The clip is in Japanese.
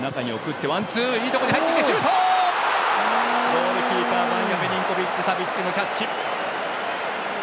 ゴールキーパー、バンヤ・ミリンコビッチ・サビッチキャッチ。